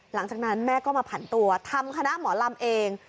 หลังจากนั้นแม่ก็มาผันตัวทำคณะหมอลำเอง